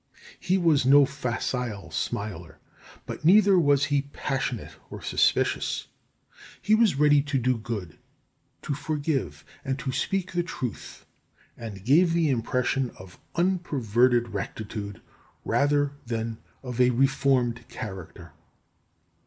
He was no facile smiler, but neither was he passionate or suspicious. He was ready to do good, to forgive, and to speak the truth, and gave the impression of unperverted rectitude rather than of a reformed character.